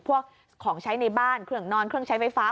ของใช้ในบ้านเครื่องนอนเครื่องใช้ไฟฟ้า